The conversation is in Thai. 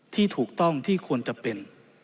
ที่ถูกต้องที่ควรจะเป็น